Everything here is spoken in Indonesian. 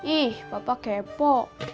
ih bapak kepo